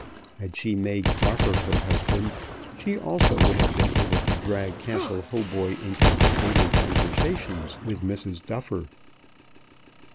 Had she made Crocker her husband she also would have been able to drag Castle Hautboy into her daily conversations with Mrs. Duffer.